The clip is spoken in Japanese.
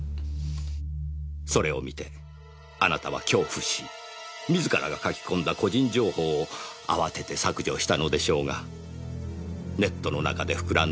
それを見てあなたは恐怖し自らが書き込んだ個人情報を慌てて削除したのでしょうがネットの中でふくらんだ